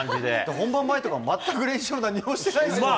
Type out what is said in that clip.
本番前とかも全く練習も何もしてないですもんね。